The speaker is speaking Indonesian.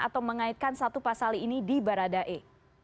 atau mengaitkan satu pasali ini di baradei